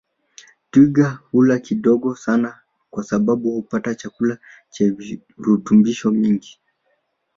Twiga hula kidogo sana kwa sababu hupata chakula chenye virutubisho vingi